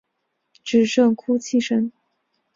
只剩哭泣声